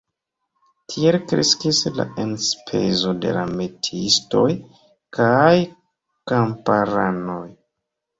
Tiel kreskis la enspezo de la metiistoj kaj kamparanoj.